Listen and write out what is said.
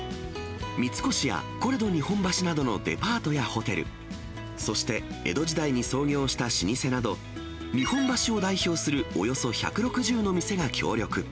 三越やコレド日本橋などのデパートやホテル、そして江戸時代に創業した老舗など、日本橋を代表するおよそ１６０の店が協力。